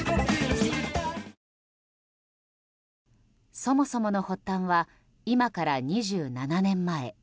そもそもの発端は今から２７年前。